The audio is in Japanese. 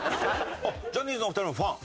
ジャニーズのお二人もファン？